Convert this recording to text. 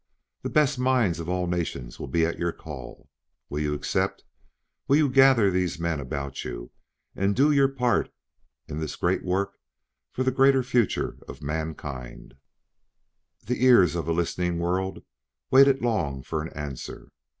The best minds of all nations will be at your call. Will you accept will you gather these men about you and do your part in this great work for the greater future of mankind?" The ears of a listening world waited long for an answer.